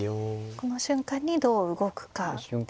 この瞬間にどう動くかですね。